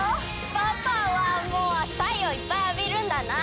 パパはもうたいよういっぱいあびるんだな！